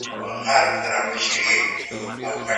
د یتیمانو پالنه زموږ د ټولني د انسانیت تر ټولو ښه نښه ده.